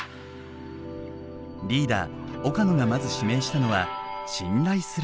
リーダー岡野がまず指名したのは信頼する仲間たち。